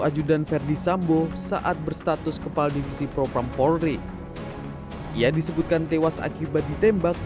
ajudan verdi sambo saat berstatus kepala divisi propam polri ia disebutkan tewas akibat ditembak